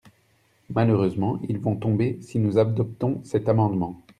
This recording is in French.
Malheureusement, ils vont tomber si nous adoptons cet amendement.